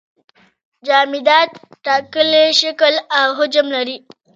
جامدات ټاکلی شکل او حجم لري.